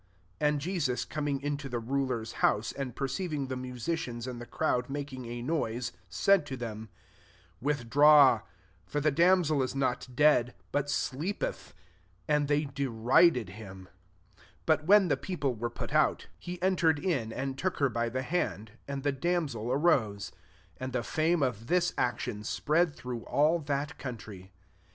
2^ And Jesus coming into the ru ler's house, and perceiving tlu musicians and the crowd makil a noise, 24 said to themi"Wit draw : for the damsel is dead, but sleepeth." And derided him. 25 But wben th( people were put out, he enter MATTHEW X. ar ed in, and took her by the hand, and the damsel arose. £6 And the fame of this action spread through all that country.